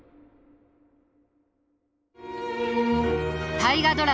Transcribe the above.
大河ドラマ